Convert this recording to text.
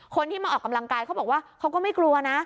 คนที่มาออกกำลังกายเขาบอกว่าเขาก็ไม่กลัวนะ